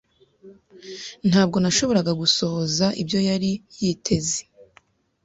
Ntabwo nashoboraga gusohoza ibyo yari yiteze.